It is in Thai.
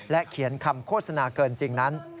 เขียนคำโฆษณาเกินจริงนั้น